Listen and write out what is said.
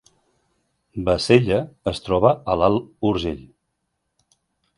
Bassella es troba a l’Alt Urgell